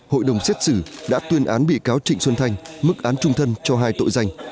hội đồng xét xử đã tuyên án bị cáo trịnh xuân thanh mức án trung thân cho hai tội danh